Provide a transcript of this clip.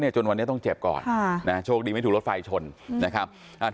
จนวันนี้ต้องเจ็บก่อนโชคดีไม่ถูกรถไฟชนนะครับ